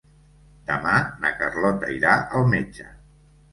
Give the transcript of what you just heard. Demà na Carlota irà al metge.